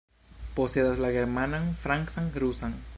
Posedas la germanan, francan, rusan.